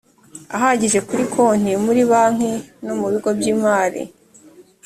ahagije kuri konti muri banki no mu bigo by imari